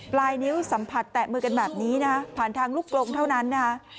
ปลายนิ้วสัมผัสแตะมือกันแบบนี้นะฮะผ่านทางลูกกลงเท่านั้นนะฮะ